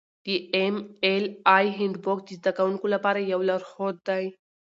د ایم ایل اې هینډبوک د زده کوونکو لپاره یو لارښود دی.